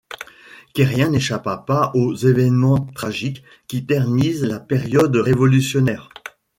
Querrien n'échappa pas aux évènements tragiques qui ternissent la période révolutionnaire.